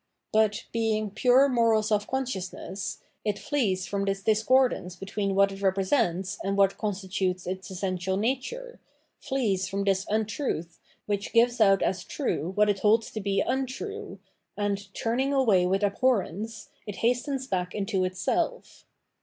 But, being pure moral self consciousness, it flees from this discord ance between what it represents and what constitutes its essential nature, flees from this untruth, which gives out as true what it holds to be untrue, and, turning away with abhorrence, it hastens back into itself.